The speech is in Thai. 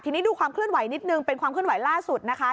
ทีนี้ดูความเคลื่อนไหวนิดนึงเป็นความเคลื่อนไหวล่าสุดนะคะ